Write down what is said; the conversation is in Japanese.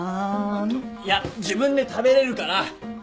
いや自分で食べれるから。